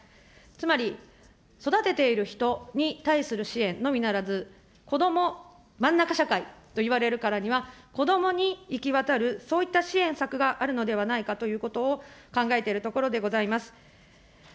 つまり育てている人に対する支援のみならず、子ども真ん中社会というからには、子どもに行き渡る、そういった支援策があるのではないかということを考えているところでございます。